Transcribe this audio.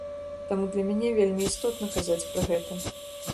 Таму для мяне вельмі істотна казаць пра гэта.